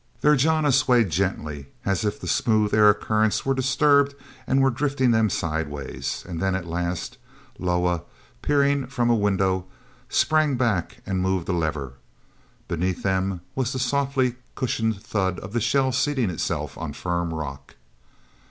Their jana swayed gently as if the smooth air currents were disturbed and were drifting them sideways; and then, at last, Loah, peering from a window, sprang back and moved a lever. Beneath them was the softly cushioned thud of the shell seating itself on firm rock.